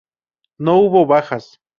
No hubo bajas.